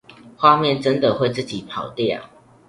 畫面真的會自己跑掉